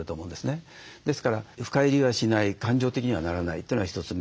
ですから深入りはしない感情的にはならないというのが１つ目。